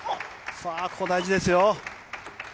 さあ、ここ大事ですよ。